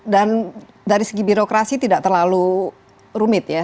dan dari segi birokrasi tidak terlalu rumit ya